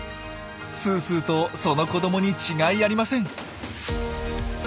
すーすーとその子どもに違いありません。